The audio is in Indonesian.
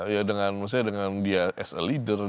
ya dengan dia sebagai pemimpin